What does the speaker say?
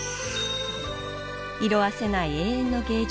色あせない永遠の芸術